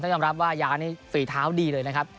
ยอมรับว่ายานี่ฝีเท้าดีเลยนะครับ